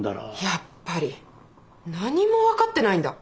やっぱり何も分かってないんだ。